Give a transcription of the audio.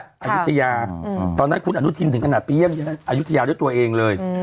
อายุทยาตอนนั้นคุณอนุทินถึงขนาดไปเยี่ยมอายุทยาด้วยตัวเองเลย